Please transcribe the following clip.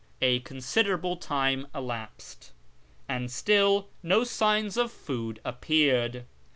A considerable time elapsed, and still no signs of food appeared.